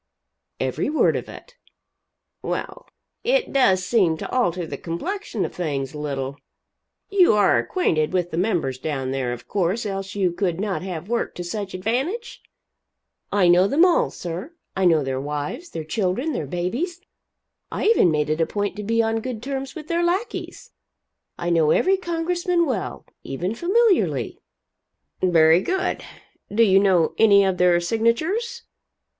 "Every word of it." "Well it does seem to alter the complexion of things a little. You are acquainted with the members down there, of course, else you could not have worked to such advantage?" "I know them all, sir. I know their wives, their children, their babies I even made it a point to be on good terms with their lackeys. I know every Congressman well even familiarly." "Very good. Do you know any of their signatures?